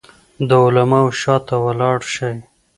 د علماوو شاته ولاړ شئ.